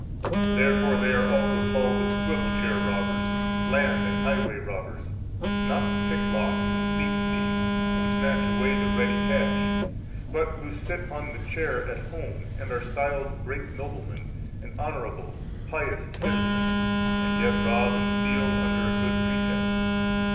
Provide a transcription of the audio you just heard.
229 Therefore they are also called swivel chair robbers, land and highway robbers, not pick locks and sneak thieves who snatch away the ready cash, but who sit on the chair [at home] and are styled great noblemen, and honorable, pious citizens, and yet rob and steal under a good pretext.